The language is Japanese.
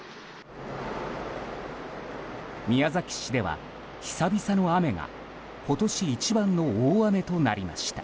宮崎市では久々の雨が今年一番の大雨となりました。